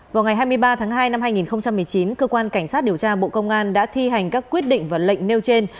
vào ngày hai mươi ba tháng hai năm hai nghìn một mươi chín cơ quan cảnh sát điều tra bộ công an đã thi hành các quyết định và lệnh nêu trên